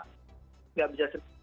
tidak bisa sering